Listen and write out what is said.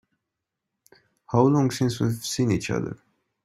How long since we've seen each other?